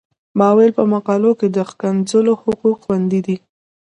ما ویل په مقالو کې د ښکنځلو حقوق خوندي دي.